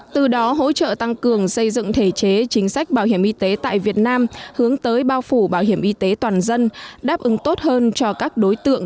từ đó hỗ trợ tăng cường xây dựng thể chế chính sách bảo hiểm y tế tại việt nam hướng tới bao phủ bảo hiểm y tế toàn dân